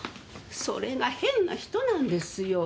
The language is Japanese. それが変な人なんですよ